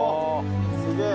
すげえ！